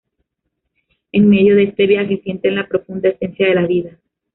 En medio de este viaje, sienten la profunda esencia de la vida.